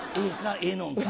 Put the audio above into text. ええのんか？